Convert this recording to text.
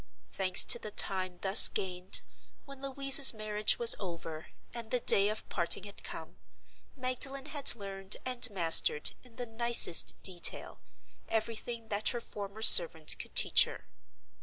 Thanks to the time thus gained, when Louisa's marriage was over, and the day of parting had come, Magdalen had learned and mastered, in the nicest detail, everything that her former servant could teach her.